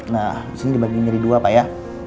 nah disini dibagi menjadi dua pak ya